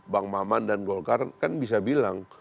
bang maman dan golkar kan bisa bilang